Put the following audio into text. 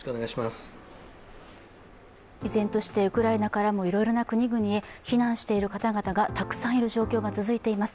依然としてウクライナからもいろいろな国々へ避難している方々がたくさんいる状況が続いています。